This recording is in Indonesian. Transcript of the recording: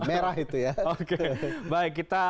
merah itu ya oke baik kita